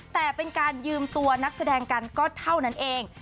แต่เป็นการยืมตัวนักแสดงกันก็เท่านั้นเอง